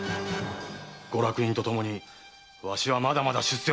ご落胤とともにわしはまだまだ出世をするのだ。